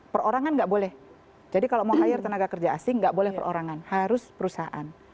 perorangan nggak boleh jadi kalau mau hire tenaga kerja asing nggak boleh perorangan harus perusahaan